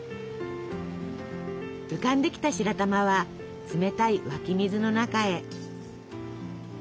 浮かんできた白玉は冷たい湧き水の中へ。